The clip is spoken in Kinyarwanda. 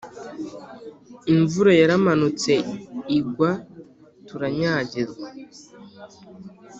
imvura yaramutse igwa turanyagirwa